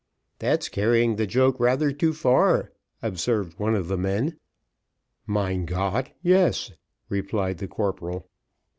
"That's carrying the joke rather too far," observed one of the men. "Mein Gott! yes," replied the corporal.